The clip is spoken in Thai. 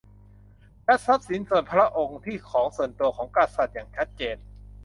และทรัพย์สินส่วนพระองค์ ที่ของส่วนตัวของกษัตริย์ อย่างชัดเจน